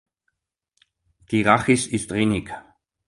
Die Rhachis ist rinnig.